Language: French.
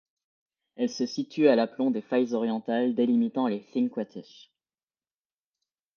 Elle se situe à l'aplomb des failles orientales délimitant les Þingvellir.